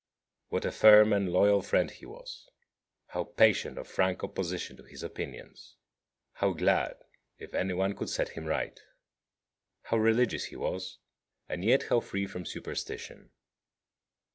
What a firm and loyal friend he was; how patient of frank opposition to his opinions; how glad if any one could set him right! How religious he was, and yet how free from superstition!